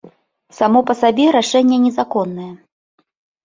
Само па сабе рашэнне незаконнае.